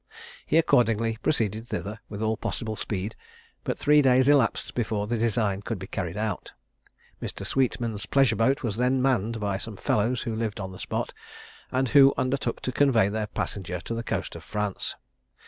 He accordingly proceeded thither with all possible speed, but three days elapsed before the design could be carried out. Mr. Sweetman's pleasure boat was then manned by some fellows who lived on the spot, and who undertook to convey their passenger to the coast of France.